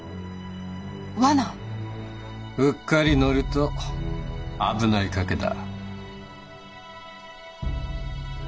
うっかり乗ると危ない賭けだ。